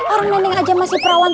orang nenek aja masih perawat